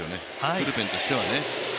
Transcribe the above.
ブルペンとしてはね。